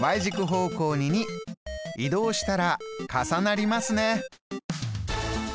移動したら重なりますね。